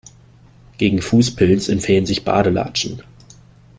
Gegen Fußpilz empfehlen sich Badelatschen.